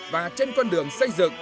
và trên con đường xây dựng